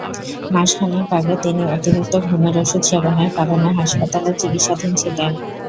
মাস খানেক আগে তিনি অতিরিক্ত ঘুমের ওষুধ সেবনের কারণে হাসপাতালে চিকিৎসাধীন ছিলেন।